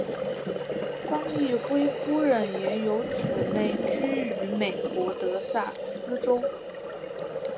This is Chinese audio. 方奕辉夫人也有姊妹居于美国德萨斯州。